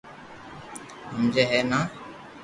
ھمجي ھي نا